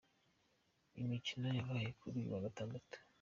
Imikino yabaye kuri uyu wa Gatandatu:.